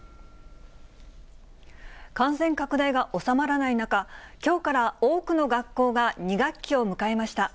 感染拡大が収まらない中、きょうから多くの学校が２学期を迎えました。